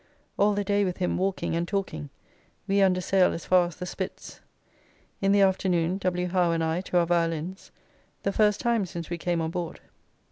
All the day with him walking and talking, we under sail as far as the Spitts. In the afternoon, W. Howe and I to our viallins, the first time since we came on board.